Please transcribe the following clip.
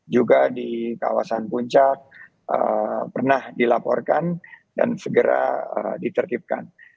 juga di kawasan puncak pernah dilaporkan dan segera ditertibkan